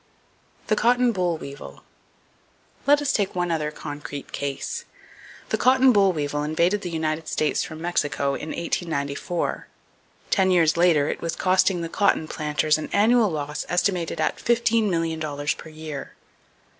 The Cotton Boll Weevil. —Let us take one other concrete case. The cotton boll weevil invaded the United States from Mexico in 1894. Ten years later it was costing the cotton planters an annual loss estimated at fifteen million dollars per year.